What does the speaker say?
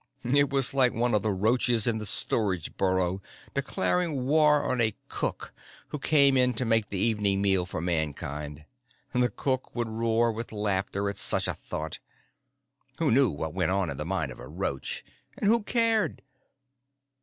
It was like one of the roaches in the storage burrow declaring war on a cook who came in to make the evening meal for Mankind. The cook would roar with laughter at such a thought. Who knew what went on in the mind of a roach and who cared?